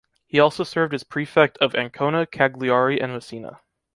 He also served as prefect of Ancona, Cagliari, and Messina.